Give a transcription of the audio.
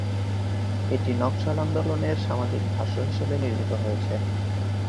এটি নকশাল আন্দোলনের সামাজিক ভাষ্য হিসেবে নির্মিত হয়েছে।